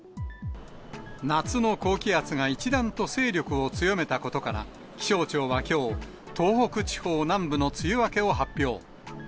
夏の高気圧が一段と勢力を強めたことから、気象庁はきょう、東北地方南部の梅雨明けを発表。